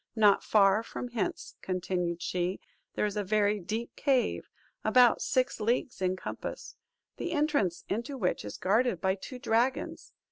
Not far from hence," continued she, "there is a very deep cave, about six leagues in compass; the entrance into which is guarded by two dragons.